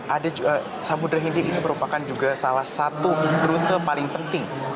ada juga semudra hindia ini merupakan juga salah satu beruntungan paling penting